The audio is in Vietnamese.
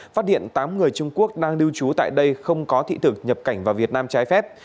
phát hiện tám người trung quốc đang lưu trú tại đây không có thị thực nhập cảnh vào việt nam trái phép